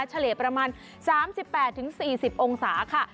เฉลี่ยประมาณ๓๘๔๐องศาค่ะ